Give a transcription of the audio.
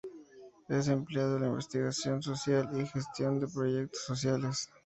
Es empleado en la investigación social y gestión de proyectos sociales.